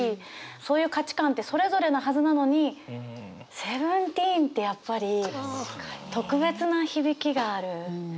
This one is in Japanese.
そういう価値観ってそれぞれのはずなのにセブンティーンってやっぱり特別な響きがある。